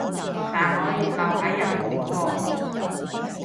但可以留係日本喎